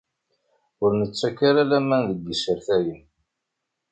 Ur nettak ara laman deg isertayen.